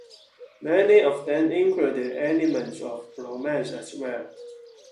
Many of them included elements of romance as well.